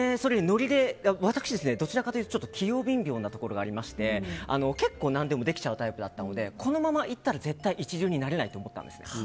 私どちらかというと器用貧乏なところがありまして結構何でもできちゃうタイプだったのでこのままいったら絶対、一流になれないと思ったんです。